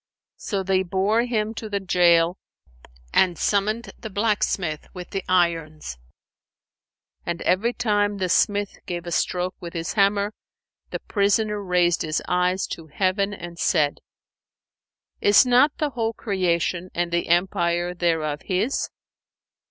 So they bore him to jail and summoned the blacksmith with the irons; and every time the smith gave a stroke with his hammer, the prisoner raised his eyes to heaven and said, "Is not the whole Creation and the Empire thereof His?"